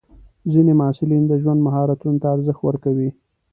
ځینې محصلین د ژوند مهارتونو ته ارزښت ورکوي.